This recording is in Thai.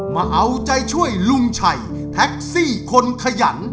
มาเอาใจช่วยลุงชัยแท็กซี่คนขยัน